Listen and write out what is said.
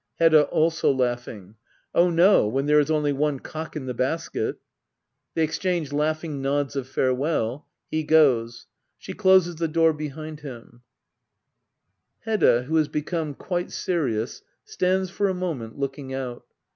Hedda. [Also laughing,'] Oh no, when there is only one cock in the basket [They exchange latighing nods of farewell. He goes. She closes the door behind him, [Hedda, n^Ao has become quite serious, stands for a moment looking out.